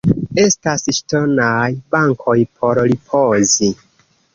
Estas ŝtonaj bankoj por ripozi.